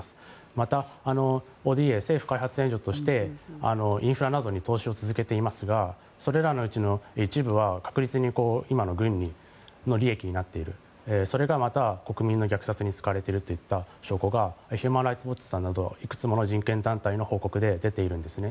またＯＤＡ・政府開発援助としてインフラなどに投資を続けていますがそれらのうちの一部は確実に今の軍の利益になっているそれがまた国民の虐殺に使われている証拠というのがヒューマン・ライツ・ウォッチさんなどいくつかの人権監視団体の報告に出ているんですね。